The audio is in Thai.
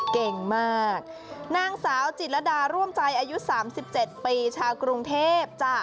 เก่งมากนางสาวจิตรดาร่วมใจอายุ๓๗ปีชาวกรุงเทพจ้ะ